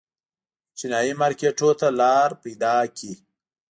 چینايي مارکېټونو ته لار پیدا کړي.